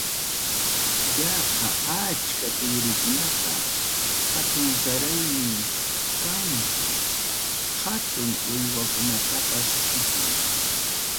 Yaqa achka tigrikunaqa hatunkaraymi kanku, hatun uywakunatapas mikunku.